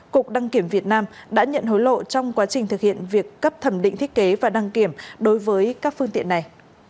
cục đăng kiểm việt nam đã nhận hối lộ trong quá trình thực hiện việc cấp thẩm định thiết kế và đăng kiểm đối với các phương tiện này